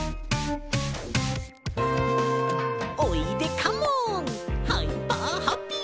「おいでカモンハイパーハッピー」